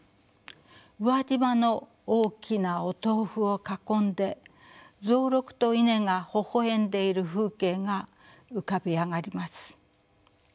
宇和島の大きなお豆腐を囲んで蔵六とイネがほほ笑んでいる風景が浮かび上がります。